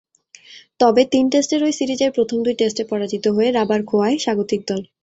তবে, তিন টেস্টের ঐ সিরিজের প্রথম দুই টেস্টে পরাজিত হয়ে রাবার খোঁয়ায় স্বাগতিক দল।